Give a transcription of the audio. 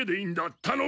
たのむ！